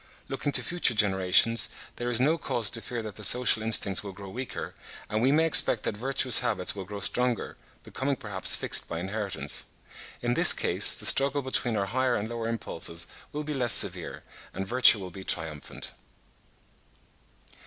Looking to future generations, there is no cause to fear that the social instincts will grow weaker, and we may expect that virtuous habits will grow stronger, becoming perhaps fixed by inheritance. In this case the struggle between our higher and lower impulses will be less severe, and virtue will be triumphant.